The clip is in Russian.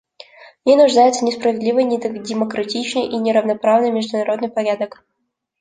В ней нуждается несправедливый, недемократичный и неравноправный международный порядок.